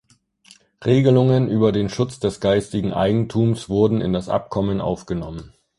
Regelungen über den Schutz des geistigen Eigentums wurden in das Abkommen aufgenommen.